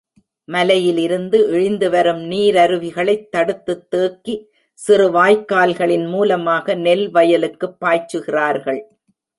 மலையிலிருந்து இழிந்து வரும் நீரருவிகளைத் தடுத்துத் தேக்கி, சிறு வாய்க்கால்களின் மூலமாக நெல் வயலுக்குப் பாய்ச்சுகிறார்கள்.